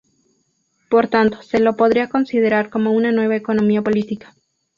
Por tanto, se lo podría considerar como una nueva economía política.